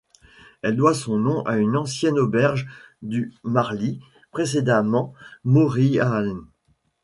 Elle doit son nom à une ancienne auberge du Marly, précédemment Moriaen.